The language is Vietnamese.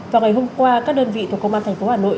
và ngày hôm qua các đơn vị thuộc công an thành phố hà nội